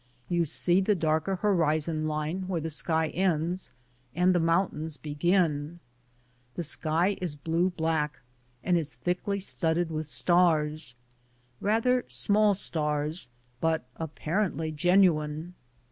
You see the darker horizon line where the sky ends and the mountains be gin. The sky is blue black and is thickly studded with stars, rather small stars, but appar ently genuine.